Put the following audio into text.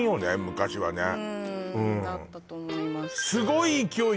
昔はねうんだったと思います